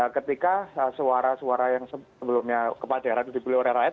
ketika suara suara yang sebelumnya kepada radyu dibeli oleh rakyat